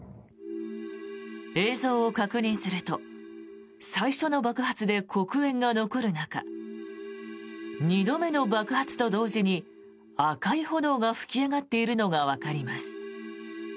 映像を確認すると最初の爆発で黒煙が残る中２度目の爆発と同時に赤い炎が吹き上がっているのがわかります。